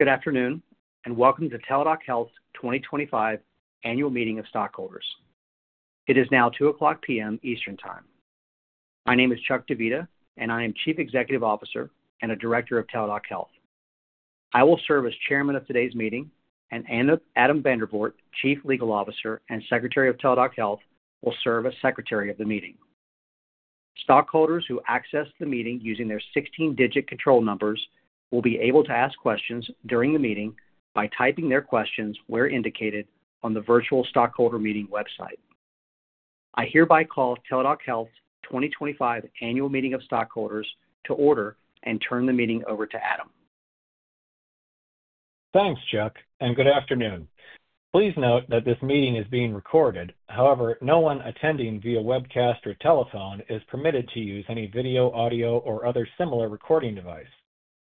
Good afternoon, and welcome to Teladoc Health's 2025 Annual Meeting of Stockholders. It is now 2:00 P.M. Eastern Time. My name is Chuck Divita, and I am Chief Executive Officer and Director of Teladoc Health. I will serve as Chairman of today's meeting, and Adam Vandervoort, Chief Legal Officer and Secretary of Teladoc Health, will serve as Secretary of the meeting. Stockholders who access the meeting using their 16-digit control numbers will be able to ask questions during the meeting by typing their questions where indicated on the virtual Stockholder Meeting website. I hereby call Teladoc Health's 2025 Annual Meeting of Stockholders to order and turn the meeting over to Adam. Thanks, Chuck, and good afternoon. Please note that this meeting is being recorded. However, no one attending via webcast or telephone is permitted to use any video, audio, or other similar recording device.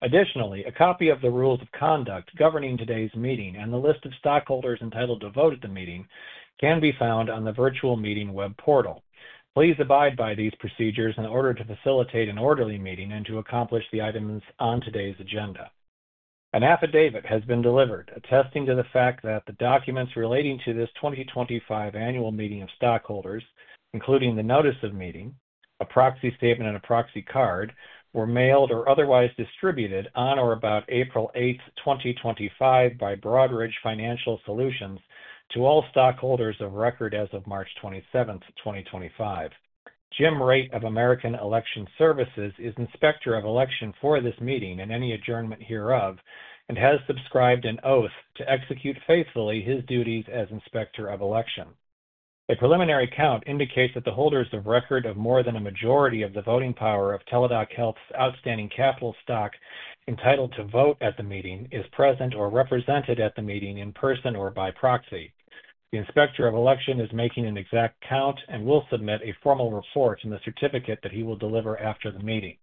Additionally, a copy of the rules of conduct governing today's meeting and the list of stockholders entitled to vote at the meeting can be found on the virtual meeting web portal. Please abide by these procedures in order to facilitate an orderly meeting and to accomplish the items on today's agenda. An affidavit has been delivered attesting to the fact that the documents relating to this 2025 Annual Meeting of Stockholders, including the Notice of Meeting, a proxy statement, and a proxy card, were mailed or otherwise distributed on or about April 8th, 2025, by Broadridge Financial Solutions to all stockholders of record as of March 27th, 2025. Jim Wright of American Election Services is Inspector of Election for this meeting and any adjournment hereof, and has subscribed an oath to execute faithfully his duties as Inspector of Election. A preliminary count indicates that the holders of record of more than a majority of the voting power of Teladoc Health's outstanding capital stock entitled to vote at the meeting are present or represented at the meeting in person or by proxy. The Inspector of Election is making an exact count and will submit a formal report in the certificate that he will deliver after the meeting.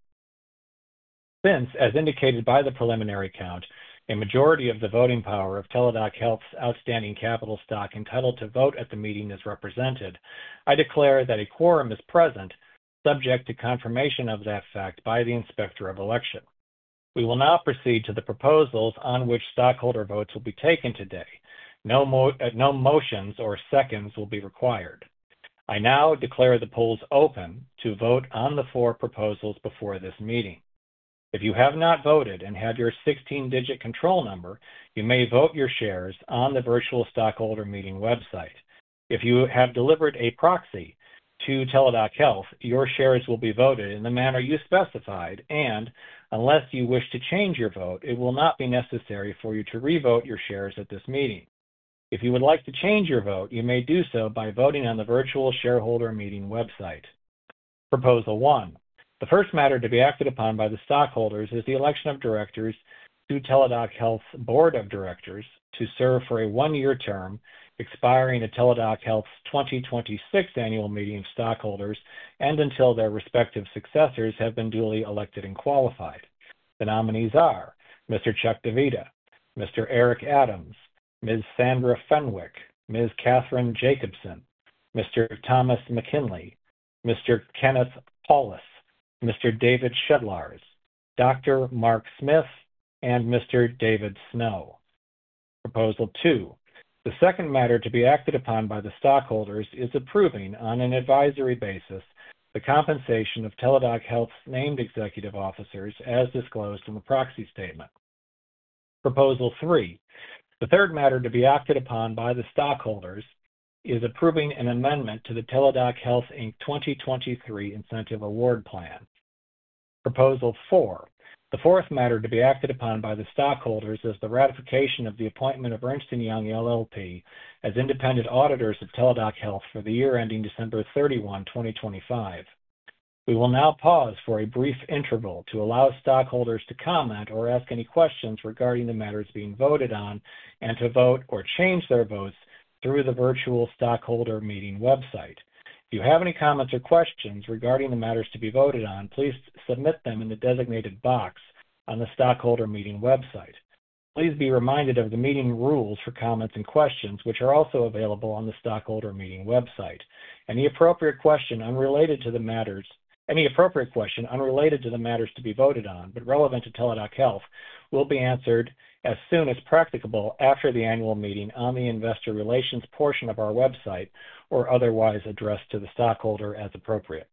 Since, as indicated by the preliminary count, a majority of the voting power of Teladoc Health's outstanding capital stock entitled to vote at the meeting is represented, I declare that a quorum is present, subject to confirmation of that fact by the Inspector of Election. We will now proceed to the proposals on which stockholder votes will be taken today. No motions or seconds will be required. I now declare the polls open to vote on the four proposals before this meeting. If you have not voted and had your 16-digit control number, you may vote your shares on the virtual Stockholder Meeting website. If you have delivered a proxy to Teladoc Health, your shares will be voted in the manner you specified, and unless you wish to change your vote, it will not be necessary for you to revote your shares at this meeting. If you would like to change your vote, you may do so by voting on the virtual shareholder meeting website. Proposal 1. The first matter to be acted upon by the stockholders is the election of directors to Teladoc Health's Board of Directors to serve for a one-year term expiring at Teladoc Health's 2026 Annual Meeting of Stockholders and until their respective successors have been duly elected and qualified. The nominees are Mr. Chuck Divita, Mr. Eric Adams, Ms. Sandra Fenwick, Ms. Katherine Jacobson, Mr. Thomas McKinley, Mr. Kenneth Paulus, Mr. David Shedlars, Dr. Mark Smith, and Mr. David Snow. Proposal 2. The second matter to be acted upon by the stockholders is approving on an advisory basis the compensation of Teladoc Health's named executive officers as disclosed in the proxy statement. Proposal 3. The third matter to be acted upon by the stockholders is approving an amendment to the Teladoc Health 2023 Incentive Award Plan. Proposal 4. The fourth matter to be acted upon by the stockholders is the ratification of the appointment of Ernst & Young LLP as independent auditors of Teladoc Health for the year ending December 31, 2025. We will now pause for a brief interval to allow stockholders to comment or ask any questions regarding the matters being voted on and to vote or change their votes through the virtual stockholder meeting website. If you have any comments or questions regarding the matters to be voted on, please submit them in the designated box on the stockholder meeting website. Please be reminded of the meeting rules for comments and questions, which are also available on the stockholder meeting website. Any appropriate question unrelated to the matters to be voted on but relevant to Teladoc Health will be answered as soon as practicable after the annual meeting on the investor relations portion of our website or otherwise addressed to the stockholder as appropriate.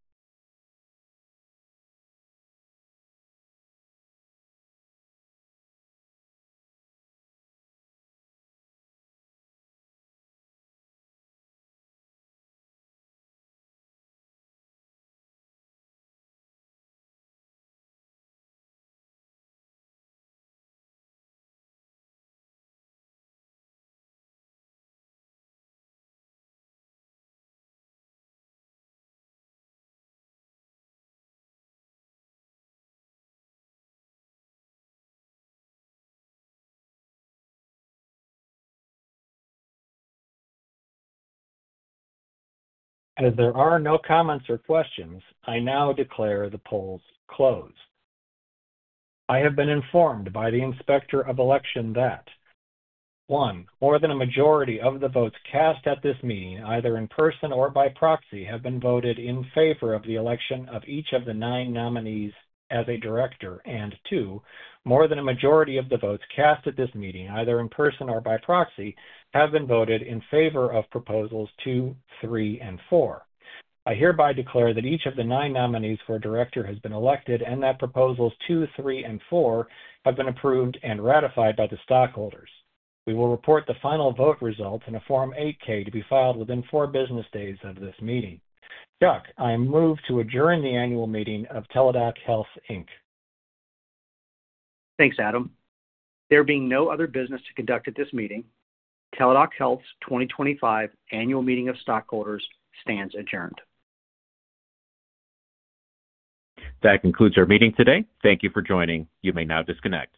As there are no comments or questions, I now declare the polls closed. I have been informed by the Inspector of Election that: 1) More than a majority of the votes cast at this meeting, either in person or by proxy, have been voted in favor of the election of each of the nine nominees as a director, and 2) more than a majority of the votes cast at this meeting, either in person or by proxy, have been voted in favor of proposals 2, 3, and 4. I hereby declare that each of the nine nominees for director has been elected and that proposals 2, 3, and 4 have been approved and ratified by the stockholders. We will report the final vote results in a Form 8-K to be filed within four business days of this meeting. Chuck, I move to adjourn the annual meeting of Teladoc Health. Thanks, Adam. There being no other business to conduct at this meeting, Teladoc Health's 2025 Annual Meeting of Stockholders stands adjourned. That concludes our meeting today. Thank you for joining. You may now disconnect.